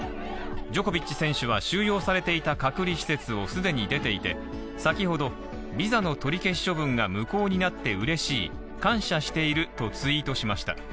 ジョコビッチ選手は収容されていた隔離施設を既に出ていて、先ほどビザの取り消し処分が無効になって嬉しい感謝しているとツイートしました。